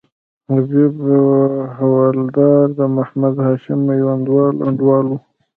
حبیب حوالدار د محمد هاشم میوندوال انډیوال وو.